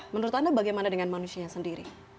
menurut anda bagaimana dengan manusianya sendiri